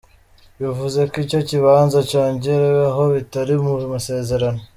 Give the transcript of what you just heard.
Bivuze ko icyo kibanza cyongereweho bitari mu masezerano.